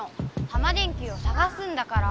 タマ電Ｑをさがすんだから！